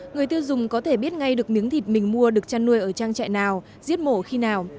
người tiêu dùng có thể biết ngay được miếng thịt mình mua được chăn nuôi ở trang trại nào giết mổ khi nào